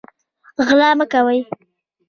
غلا مه کوئ